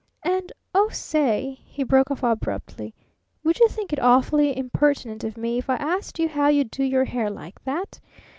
And, oh, say!" he broke off abruptly "would you think it awfully impertinent of me if I asked you how you do your hair like that?